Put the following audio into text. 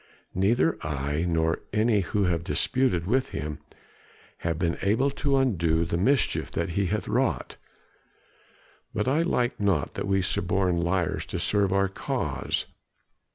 Neither I, nor any who have disputed with him have been able to undo the mischief that he hath wrought. But I like not that we suborn liars to serve our cause."